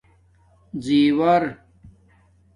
زیݸر